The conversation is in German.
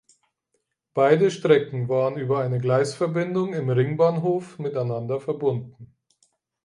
Beide Strecken waren über eine Gleisverbindung im Ringbahnhof miteinander verbunden.